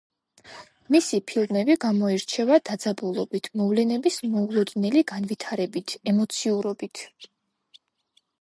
მისი ფილმები გამოირჩევა დაძაბულობით, მოვლენების მოულოდნელი განვითარებით, ემოციურობით.